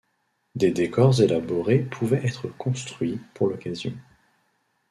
Des décors élaborés pouvaient être construits pour l'occasion.